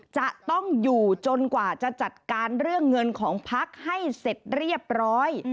จะต้องอยู่จนกว่าจะจัดการเรื่องเงินของพักให้เสร็จเรียบร้อย